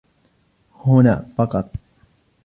هنا فقط